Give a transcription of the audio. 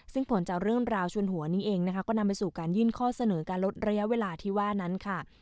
ซึ่งผลจากเรื่องราวชวนหัวนี้เองนะคะก็นำไปสู่การยื่นข้อเสนอการลดระยะเวลาที่ว่านั้นค่ะ